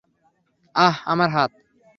আহহ, আমার হাত।